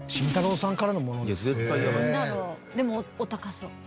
でもお高そう。